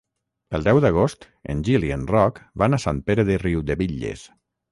El deu d'agost en Gil i en Roc van a Sant Pere de Riudebitlles.